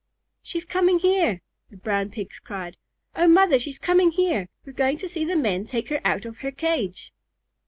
"She's coming here!" the Brown Pigs cried. "Oh, Mother, she's coming here! We're going to see the men take her out of her cage."